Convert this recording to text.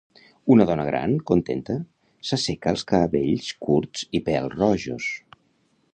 una dona gran contenta s'asseca els cabells curts i pèl-rojos.